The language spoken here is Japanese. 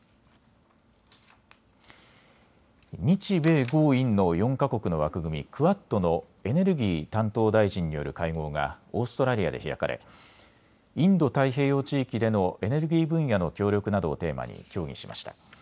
日米豪印の４か国の枠組みクアッドのエネルギー担当大臣による会合がオーストラリアで開かれインド太平洋地域でのエネルギー分野の協力などをテーマに協議しました。